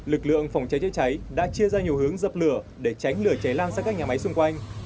lực lượng phòng cháy chữa cháy đã chia ra nhiều hướng dập lửa để tránh lửa cháy lan sang các nhà máy xung quanh